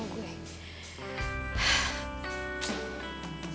sampai jumpa kawan